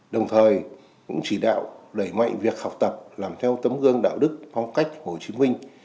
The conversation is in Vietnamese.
đồng thời cũng chỉ đạo đẩy mạnh việc học tập làm theo tấm gương đạo đức phong cách hồ chí minh